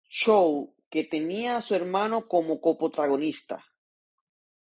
Show", que tenía a su hermano como coprotagonista.